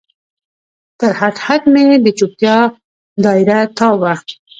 تر هډ، هډ مې د چوپتیا دا یره تاو وه